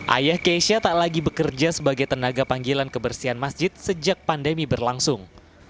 ayah keisha tak lagi bekerja sebagai tenaga panggilan kebersihan masjid sejak pandemi berlangsung